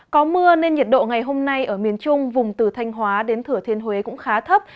có mưa nên nhiệt độ ngày hôm nay ở miền trung vùng từ thanh hóa đến thửa thiên huế cũng khá thấp